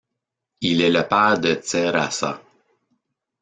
Il est le père de Dzerassa.